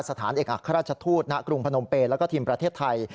สถานเอกอัครราชทูตณกรุงพนมเปย์แล้วก็ทีมประเทศไทย